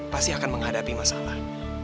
pasti akan menghadapi masalah